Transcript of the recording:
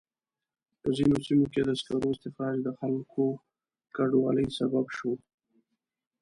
په ځینو سیمو کې د سکرو استخراج د خلکو د کډوالۍ سبب شوی.